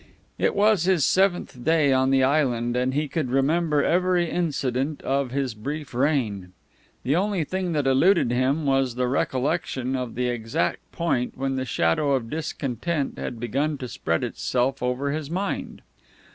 It was his seventh day on the island, and he could remember every incident of his brief reign. The only thing that eluded him was the recollection of the exact point when the shadow of discontent had begun to spread itself over his mind.